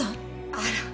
あら。